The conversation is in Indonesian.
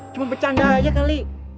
cuma bercanda aja kali